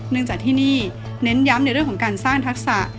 เนื่องจากที่นี่เน้นย้ำในเรื่องของการสร้างทักษะ